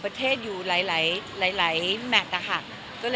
ประเทศอยู่หลายแหละมันอ่ะค่ะ